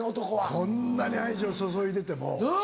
こんなに愛情注いでても。なぁ！